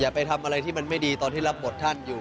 ไปทำอะไรที่มันไม่ดีตอนที่รับบทท่านอยู่